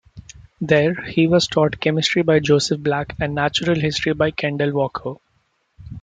There he was taught chemistry by Joseph Black and natural history by Kendall Walker.